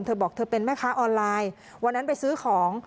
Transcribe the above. เธอบอกเธอเป็นแม่ค้าออนไลน์วันนั้นไปซื้อของ